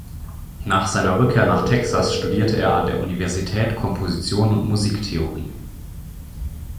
Nach seiner Rückkehr nach Texas studierte er an der Universität Komposition und Musiktheorie.